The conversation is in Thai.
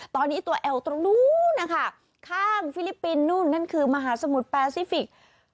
ตอนนี้ตัวแอลตรงนู้นนะคะข้างฟิลิปปินส์นู่นนั่นคือมหาสมุทรแปซิฟิกส์